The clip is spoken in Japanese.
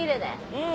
うん。